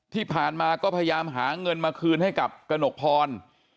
ที่ผ่านมาก็พยายามหาเงินมาคืนให้กับกระหนกพร